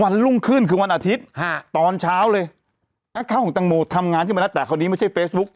รุ่งขึ้นคือวันอาทิตย์ฮะตอนเช้าเลยแอคเคาน์ของตังโมทำงานขึ้นมาแล้วแต่คราวนี้ไม่ใช่เฟซบุ๊ค